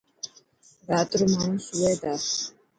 رات رو ماڻهوسوئي تا.